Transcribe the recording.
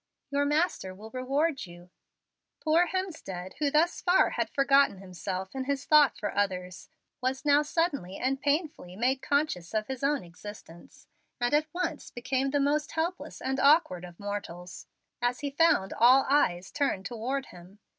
Your Master will reward you." Poor Hemstead, who thus far had forgotten himself in his thought for others, was now suddenly and painfully made conscious of his own existence, and at once became the most helpless and awkward of mortals, as he found all eyes turned toward him.